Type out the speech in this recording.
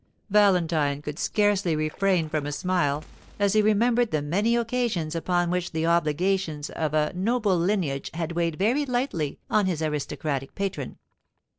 _" Valentine could scarcely refrain from a smile as he remembered the many occasions upon which the obligations of a noble lineage had weighed very lightly on his aristocratic patron.